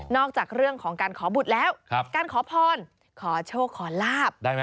นอกจากเรื่องของขอบุตรแล้วการขอพรขอโชคขอลาบ